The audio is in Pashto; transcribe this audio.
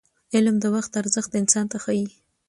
علم د وخت ارزښت انسان ته ښيي.